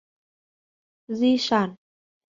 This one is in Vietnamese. Di sản